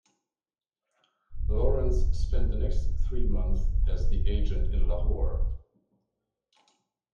Lawrence spent the next three months as the agent in Lahore.